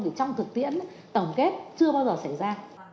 thì trong thực tiễn tổng kết chưa bao giờ xảy ra